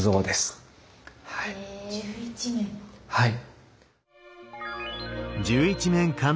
はい。